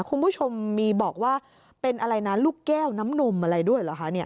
คุณผู้ชมมีบอกว่าเป็นอะไรนะลูกแก้วน้ำนมอะไรด้วยเหรอคะเนี่ย